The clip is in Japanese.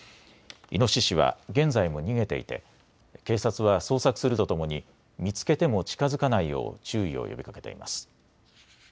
イノシシは現在も逃げていて警察は捜索するとともに見つけても近づかないよう注意を呼びかけています。